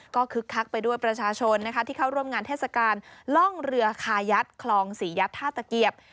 ก็คึกคักไปด้วยประชาชนนะคะที่เข้าร่วมงานเทศกาลล่องเรือคายัดคลองศรียัดท่าตะเกียบ